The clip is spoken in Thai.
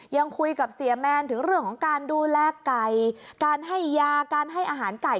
ยังคุยกับเสียแมนถึงเรื่องของการดูแลไก่การให้ยาการให้อาหารไก่